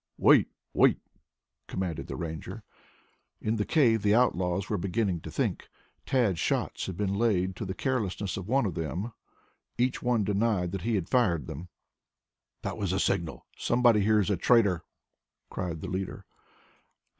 "Wait, wait!" commanded the Ranger. In the cave the outlaws were beginning to think. Tad's shots had been laid to the carelessness of one of the men. Each one denied that he had fired them. "That was a signal. Somebody here is a traitor!" cried the leader.